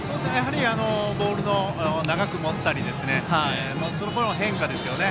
ボールを長く持ったり変化ですよね。